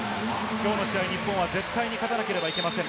きょうの試合、日本は絶対に勝たなければいけません。